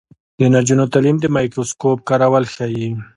د نجونو تعلیم د مایکروسکوپ کارول ښيي.